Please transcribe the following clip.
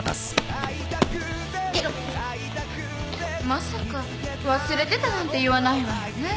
まさか忘れてたなんて言わないわよね。